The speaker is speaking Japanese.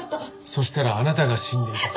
そしたらあなたが死んでいた。